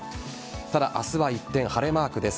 ただ明日は一転晴れマークです。